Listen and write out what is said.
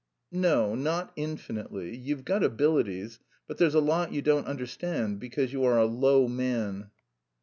"No, not infinitely; you've got abilities, but there's a lot you don't understand because you are a low man."